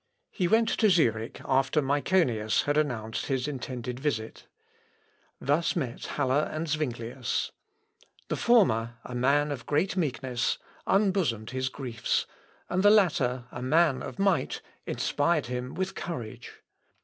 He went to Zurich after Myconius had announced his intended visit. Thus met Haller and Zuinglius. The former, a man of great meekness, unbosomed his griefs; and the latter, a man of might, inspired him with courage.